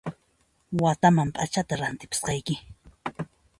Wataman p'achata rantipusqayki